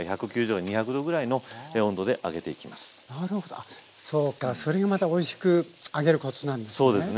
あそうかそれがまたおいしく揚げるコツなんですね。